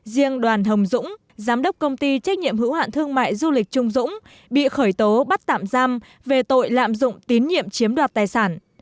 riêng đoàn hồng dũng giám đốc công ty trách nhiệm hữu hạn thương mại du lịch trung dũng bị khởi tố bắt tạm giam về tội lạm dụng tín nhiệm chiếm đoạt tài sản